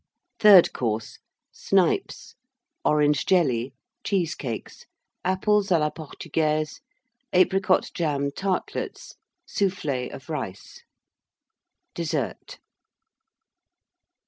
THIRD COURSE. Snipes. Orange Jelly. Cheesecakes. Apples à la Portugaise. Apricot jam Tartlets. Soufflé of Rice. DESSERT.